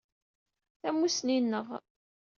Tamusni-nneƔ